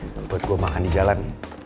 kalau buat gue makan di jalan